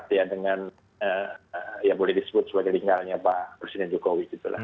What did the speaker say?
seperti yang boleh disebut sebagai lingkalnya pak presiden jokowi